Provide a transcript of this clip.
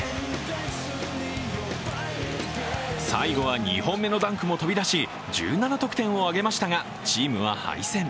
最後は２本目のダンクも飛び出し１７得点を挙げましたが、チームは敗戦。